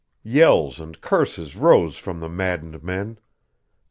Yells and curses rose from the maddened men.